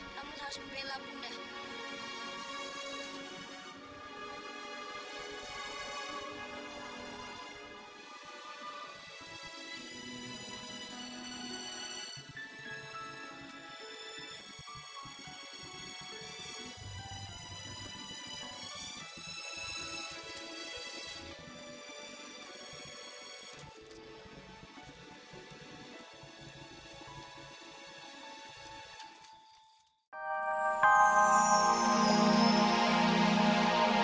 namun harus membelah bunda